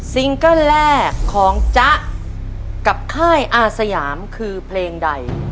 เกิ้ลแรกของจ๊ะกับค่ายอาสยามคือเพลงใด